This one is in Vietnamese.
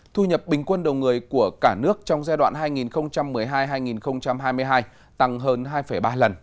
thu nhập bình quân đầu người của cả nước trong giai đoạn hai nghìn một mươi hai hai nghìn hai mươi hai tăng hơn hai ba lần